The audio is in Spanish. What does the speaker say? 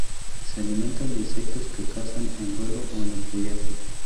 Se alimentan de insectos que cazan en vuelo o en el follaje.